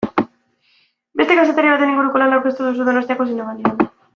Beste kazetari baten inguruko lana aurkeztuko duzu Donostiako Zinemaldian.